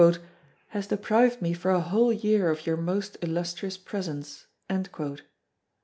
has deprived me for a whole year of your most illustrious presence."